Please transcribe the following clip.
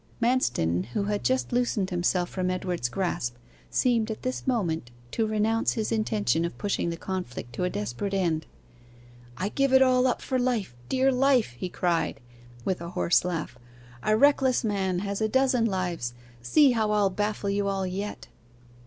Manston, who had just loosened himself from Edward's grasp, seemed at this moment to renounce his intention of pushing the conflict to a desperate end. 'I give it all up for life dear life!' he cried, with a hoarse laugh. 'A reckless man has a dozen lives see how I'll baffle you all yet!